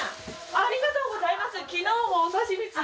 ありがとうございます！